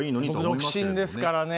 僕独身ですからね。